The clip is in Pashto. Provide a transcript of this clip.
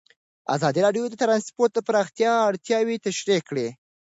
ازادي راډیو د ترانسپورټ د پراختیا اړتیاوې تشریح کړي.